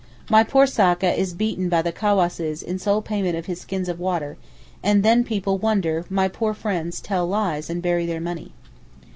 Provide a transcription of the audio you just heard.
My poor sakka is beaten by the cawasses in sole payment of his skins of water—and then people wonder my poor friends tell lies and bury their money.